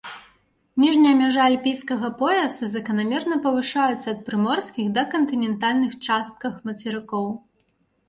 Ніжняя мяжа альпійскага пояса заканамерна павышаецца ад прыморскіх да кантынентальных частках мацерыкоў.